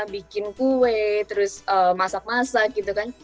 bikin kue terus masak masak gitu kan